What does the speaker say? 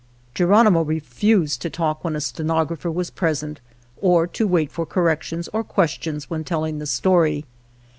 Geronimo refused to talk when a stenog rapher was present, or to wait for correc tions or questions when telling the story.